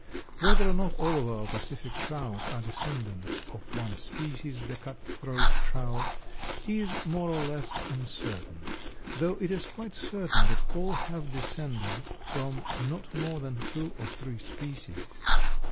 Whether or not all of our Pacific trout are descendants of one species, the cut throat trout, is more or less uncertain, though it is quite certain that all have descended from not more than two or three species.